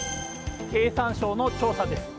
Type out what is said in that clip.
経産省の調査です。